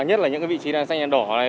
nhất là những cái vị trí đàn xanh đàn đỏ này